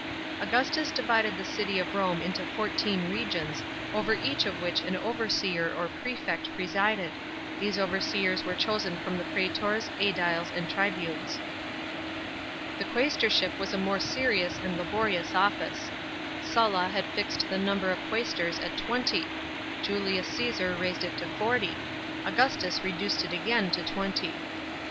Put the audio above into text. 39 Augustus divided the city of Rome into fourteen regions, over each of which an overseer or prefect presided ; these overseers were chosen from the praetors, sediles, and tribunes. The qusestorship was a more serious and laborious office. Sulla had fixed the number of qusestors at twenty ; Julius Caesar raised it to forty ; Augustus reduced it again to twenty.